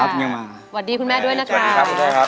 ยังมาสวัสดีคุณแม่ด้วยนะคะสวัสดีครับคุณแม่ครับ